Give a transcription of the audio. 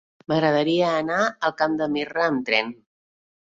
M'agradaria anar al Camp de Mirra amb tren.